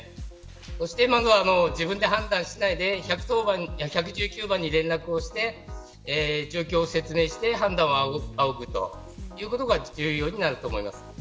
そして自分で判断をしないで１１０番や１１９番に連絡をして状況を説明して判断を仰ぐということが重要になります。